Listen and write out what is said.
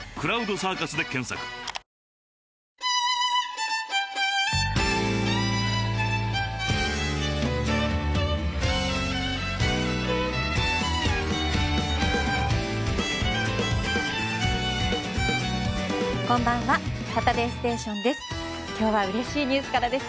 「サタデーステーション」です。